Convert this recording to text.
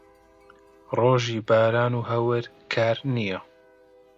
ڕۆژی باران و هەور کار نییە.